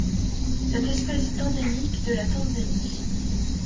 Cette espèce est endémique de la Tanzanie.